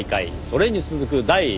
それに続く第２弾。